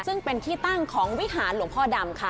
ซึ่งเป็นที่ตั้งของวิหารหลวงพ่อดำค่ะ